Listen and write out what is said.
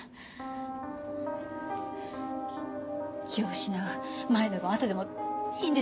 気を失う前でも後でもいいんです。